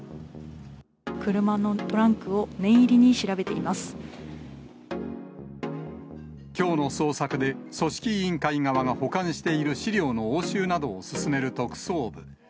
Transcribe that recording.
車のトランクを念入りに調べきょうの捜索で、組織委員会側が保管している資料の押収などを進める特捜部。